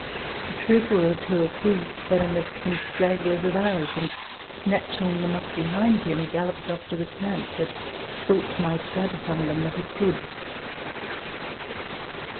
A trooper or two of his fell in with some stragglers of ours, and, snatching them up behind them, galloped off to the camp, that Soult might gather from them what he could.